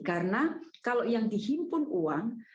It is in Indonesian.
karena kalau yang dihimpun uang